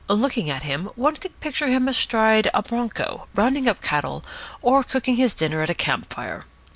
Looking at him, one could picture him astride of a bronco, rounding up cattle, or cooking his dinner at a camp fire.